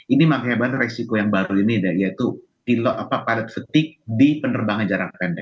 ini makanya banget resiko yang baru ini yaitu padat detik di penerbangan jarak pendek